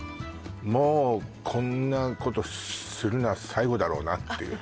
もうこんなことするのは最後だろうなっていうね